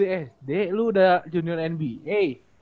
di sd lu udah junior nba